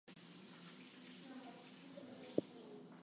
Five years later the church complex was reconstructed.